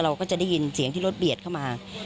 เราก็จะได้ยินเสียงที่รถเบียดเข้ามา